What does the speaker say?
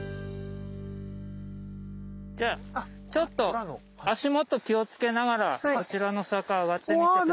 じゃちょっと足元気をつけながらこちらの坂上がってみて下さい。